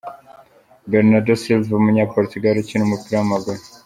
Bernardo Silva, umunya Portugal ukina umupira w’amaguru.